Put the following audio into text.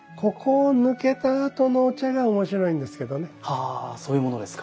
あそういうものですか。